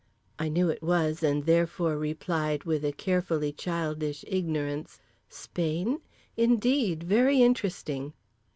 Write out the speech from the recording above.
I knew it was, and therefore replied with a carefully childish ignorance: "Spain? Indeed! Very interesting."